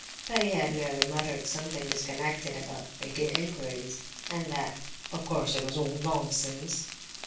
But he had merely muttered something disconnected about "making inquiries," and that "of course it was all nonsense."